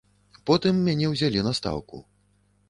Потым мяне ўзялі на стаўку.